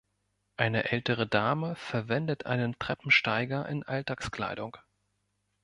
Eine ältere Dame verwendet einen Treppensteiger in Alltagskleidung.